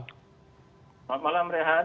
selamat malam rehat